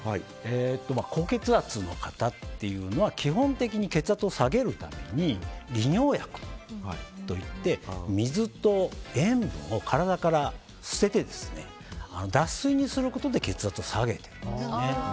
高血圧の方っていうのは基本的に血圧を下げるために利尿薬といって水と塩分を体から捨てて脱水にすることで血圧を下げているんですね。